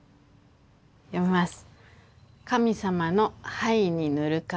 読みます。